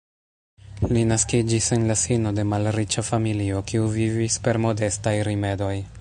Li naskiĝis en la sino de malriĉa familio kiu vivis per modestaj rimedoj.